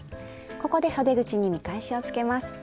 ここでそで口に見返しをつけます。